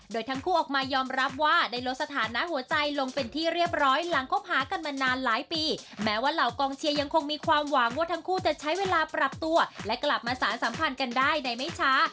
โดยทั้งคู่ออกมายอมรับว่าได้ลดสถานะหัวใจลงเป็นที่เรียบร้อยหลังคบหากันมานานหลายปีแม้ว่าเหล่ากองเชียร์ยังคงมีความหวังว่าทั้งคู่จะใช้เวลาปรับตัวและกลับมาสารสัมพันธ์กันได้ในไม่ช้า